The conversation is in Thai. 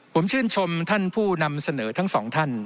ผมชื่นชมท่านผู้นำเสนอทั้งสองท่าน